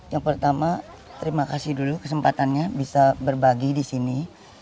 yang pertama terima kasih dulu kesempatannya bisa berbagi di sini